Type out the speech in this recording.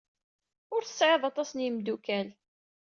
Ur tesɛid aṭas n yimeddukal.